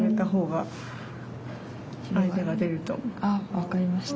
分かりました。